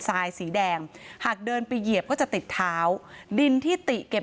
สายสีแดงหากเดินไปเหยียบก็จะติดเท้าดินที่ติเก็บ